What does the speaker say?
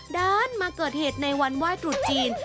เดินมาเกิดเหตุในวันว่ายตรุษจีน